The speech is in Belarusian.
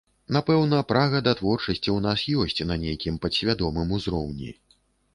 Напэўна, прага да творчасці ў нас ёсць на нейкім падсвядомым узроўні.